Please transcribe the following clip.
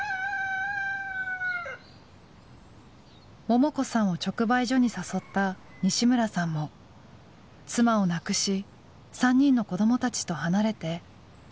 ももこさんを直売所に誘った西村さんも妻を亡くし３人の子どもたちと離れて独り暮らしをしています。